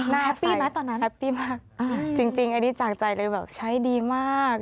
แฮปปี้ไหมตอนนั้นแฮปปี้มากจริงอันนี้จากใจเลยแบบใช้ดีมาก